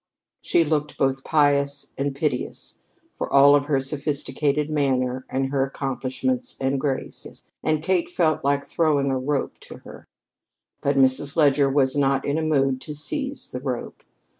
She looked both pious and piteous, for all of her sophisticated manner and her accomplishments and graces, and Kate felt like throwing a rope to her. But Mrs. Leger was not in a mood to seize the rope.